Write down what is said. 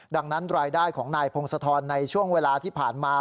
ดังนั้นรายได้ของนายพงศธรในช่วงเวลาที่ผ่านมา